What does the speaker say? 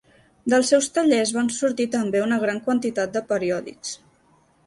Dels seus tallers van sortir també una gran quantitat de periòdics.